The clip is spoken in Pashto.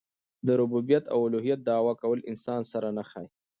د ربوبیت او اولوهیت دعوه کول د انسان سره نه ښايي.